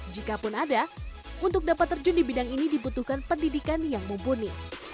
jikapun ada untuk dapat terjun di bidang ini dibutuhkan pendidikan yang mumpuni